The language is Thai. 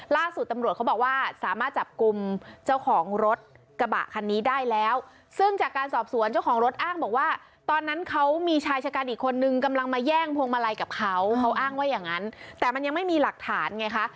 ล่าสุดตำรวจเขาบอกว่าสามารถจับกลุ่มเจ้าของรถกระบะคันนี้ได้แล้วซึ่งจากการสอบสวนเจ้าของรถอ้างบอกว่าตอนนั้นเขามีชายชะกันอีกคนนึงกำลังมาแย่งพวงมาลัยกับเขาเขาอ้างว่าอย่างนั้นแต่มันยังไม่มีหลักฐานไงคะ